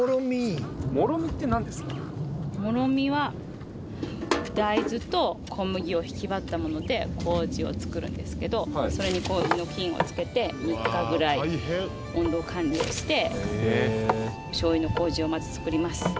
もろみは大豆と小麦をひき割ったもので麹を作るんですけどそれに麹の菌を付けて３日ぐらい温度管理をしてしょうゆの麹をまず作ります。